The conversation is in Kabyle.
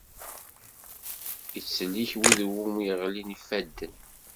Ittsellik wid iwumi i ɣlin yifadden.